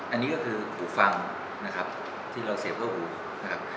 อันนี้ก็คืออุปฟังที่เราเสพเพื่ออุป